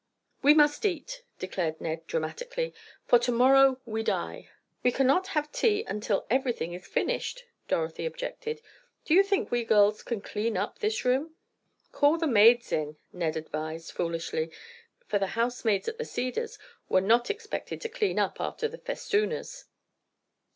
"We must eat," declared Ned, dramatically, "for to morrow we die!" "We cannot have tea until everything is finished," Dorothy objected. "Do you think we girls can clean up this room?" "Call the maids in," Ned advised, foolishly, for the housemaids at the Cedars were not expected to clean up after the "festooners."